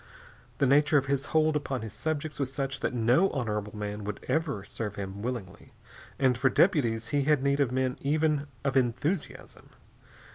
The nature of his hold upon his subjects was such that no honorable man would ever serve him willingly, and for deputies he had need of men even of enthusiasm.